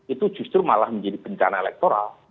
itu justru malah menjadi bencana elektoral